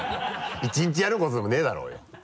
１日やることでもないだろよ。